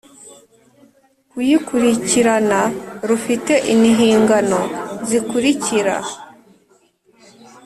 kuyikurikirana rufite inhingano zikurikira :